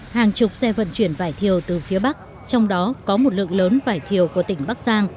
hàng chục xe vận chuyển vải thiều từ phía bắc trong đó có một lượng lớn vải thiều của tỉnh bắc giang